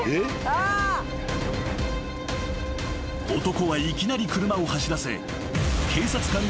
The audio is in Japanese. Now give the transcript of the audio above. ［男はいきなり車を走らせ］